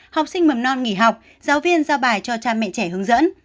học sinh mầm non nghỉ học giáo viên giao bài cho cha mẹ trẻ hướng dẫn